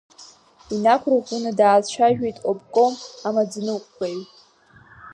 Инақәырӷәӷәаны даацәажәеит обком амаӡаныҟәгаҩ.